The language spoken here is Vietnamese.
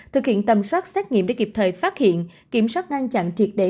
thực hiện tầm soát xét nghiệm để kịp thời phát hiện kiểm soát ngăn chặn triệt để